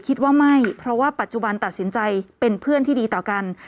คิดว่าไม่เพราะว่าปัจจุบันตัดสินใจเป็นเพื่อนที่ดีต่อกัน